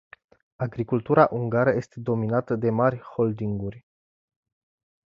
Agricultura ungară este dominată de mari holdinguri.